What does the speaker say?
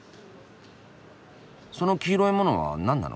その黄色いものはなんなの？